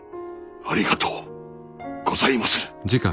ありがとうございまする。